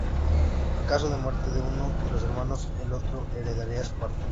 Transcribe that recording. En caso de muerte de uno de los hermanos, el otro heredaría su parte.